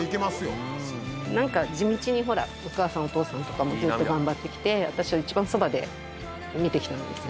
なんか地道にほらお母さんお父さんとかもずっと頑張ってきて私は一番そばで見てきたんですよ。